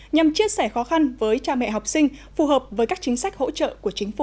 nhằm chia sẻ khó khăn với cha mẹ học sinh phù hợp với các chính sách hỗ trợ của chính phủ